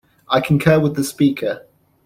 I concur with the speaker.